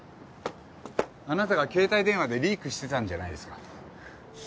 あなたが携帯電話でリークしてたんじゃないですか？